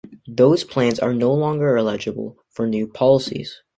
Those plans are no longer eligible for new policies.